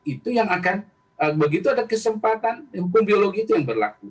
itu yang akan begitu ada kesempatan hukum biologi itu yang berlaku